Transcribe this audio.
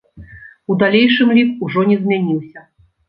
У далейшым лік ужо не змяніўся.